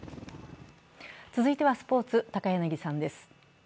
続いてはスポーツ、高柳さんです